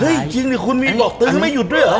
เฮ้ยจริงนี่คุณวีนพูดเสริมไม่หยุดด้วยหรอ